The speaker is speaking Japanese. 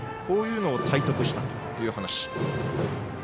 こういうのを体得したという話。